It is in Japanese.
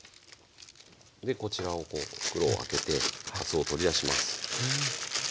でこちらをこう袋を開けてかつおを取り出します。